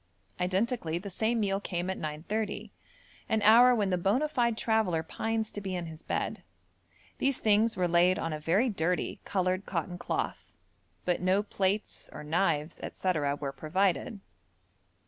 Identically the same meal came at 9.30, an hour when the bona fide traveller pines to be in his bed. These things were laid on a very dirty coloured cotton cloth, but no plates or knives, &c. were provided.